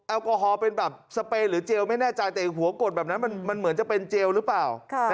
แอลกอฮอล์เป็นแบบสเปนหรือเจลไม่แน่ใจแต่หัวกดแบบนั้นมันเหมือนจะเป็นเจลหรือเปล่า